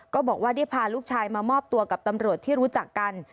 ก็บอกว่าได้พาลูกชายมามอบตัวกับตำรวจที่รู้จักกัน